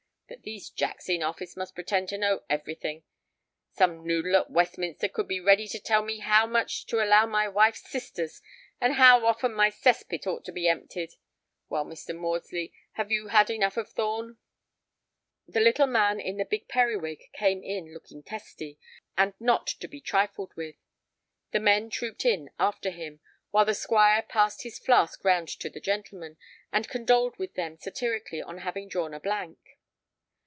But these Jacks in Office must pretend to know everything. Some noodle at Westminster would be ready to tell me how much to allow my wife's sisters, and how often my cess pit ought to be emptied. Well, Mr. Maudesly, have you had enough of Thorn?" The little man in the big periwig came in looking testy, and not to be trifled with. The men trooped in after him, while the Squire passed his flask round to the gentlemen, and condoled with them satirically on having drawn a "blank."